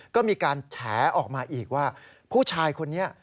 ก็มีการแฉออกมาอีกว่าผู้ชายคนนี้